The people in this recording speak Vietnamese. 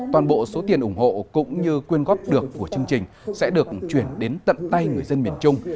toàn bộ số tiền ủng hộ cũng như quyên góp được của chương trình sẽ được chuyển đến tận tay người dân miền trung